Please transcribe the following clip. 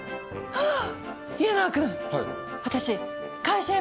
ああ。